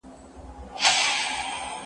څېړونکي د ذهن سرچينه لټوي.